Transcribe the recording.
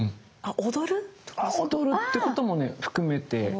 踊るってこともね含めて。